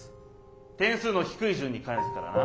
点数の低い順に返すからな取りに来い。